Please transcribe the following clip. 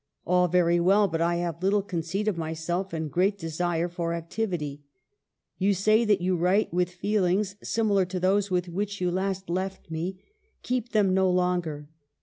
"All very well, but I have little conceit of my self and great desire for activity. You say that you write with feelings similar to those with which you last left me ; keep them no longer.